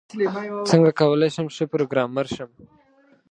څنګه کولاي شم ښه پروګرامر شم؟